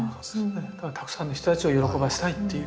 たくさんの人たちを喜ばせたいという。